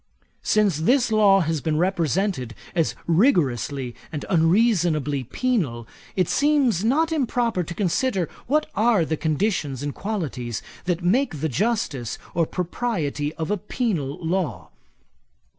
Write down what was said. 'Since this law has been represented as rigorously and unreasonably penal, it seems not improper to consider what are the conditions and qualities that make the justice or propriety of a penal law.